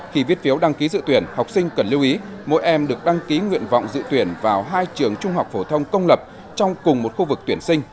khi viết phiếu đăng ký dự tuyển học sinh cần lưu ý mỗi em được đăng ký nguyện vọng dự tuyển vào hai trường trung học phổ thông công lập trong cùng một khu vực tuyển sinh